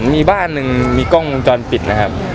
มีบ้านหนึ่งมีกล้องวงจรปิดนะครับ